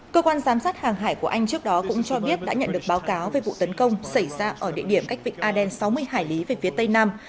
cơ quan giám sát hàng hải của anh trước đó cũng cho biết đã nhận được báo cáo về vụ tấn công xảy ra ở địa điểm cách vịnh aden sáu mươi hải lý về phía tây nam